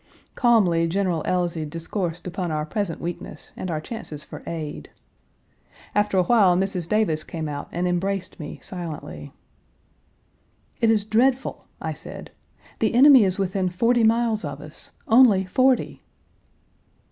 Calmly General Elzey discoursed upon our present weakness and our chances for aid. After a while Mrs. Davis came out and embraced me silently. "It is dreadful," I said. "The enemy is within forty miles of us only forty!"